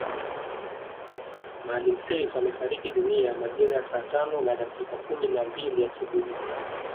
Maalim Seif amefariki dunia majira ya saa tano na dakika kumi na mbili asubuhi